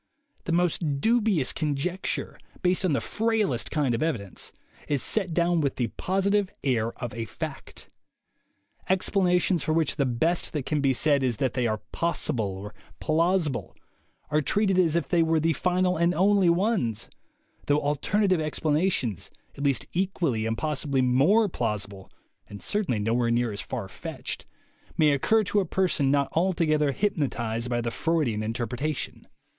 The most dubious conjecture, based on the frailest kind of evidence, is set down with the positive air of a fact. Explanations for which the best that can be said is that they are possible or plausible are treated as if they were the final and only ones; though alterna tive explanations, at least equally and possibly more plausible, and certainly nowhere near as far fetched, may occur to a person not altogether hypnotized by the Freudian interpretation.